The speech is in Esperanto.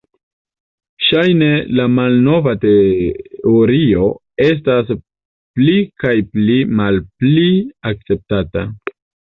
Ŝajne la malnova teorio estas pli kaj pli malpli akceptata.